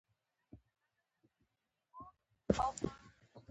زه په چکۍ کې غنم اڼم